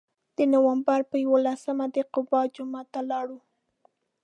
د نوامبر په یولسمه د قبا جومات ته لاړو.